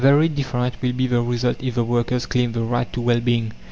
Very different will be the result if the workers claim the RIGHT TO WELL BEING!